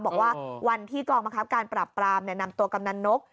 บอกว่าวันที่กองบังคับการปรับปรามนำตัวกำนันนก